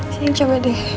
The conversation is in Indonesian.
sayang coba deh